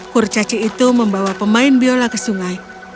kurcaci itu membawa pemain biola ke sungai